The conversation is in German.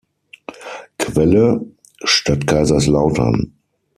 Quelle: Stadt Kaiserslautern